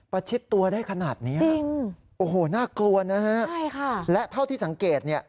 ประชิดตัวได้ขนาดนี้โอ้โหน่ากลัวนะฮะและเท่าที่สังเกต